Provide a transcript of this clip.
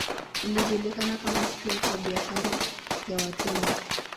Ilijulikana kama kituo cha biashara ya watumwa.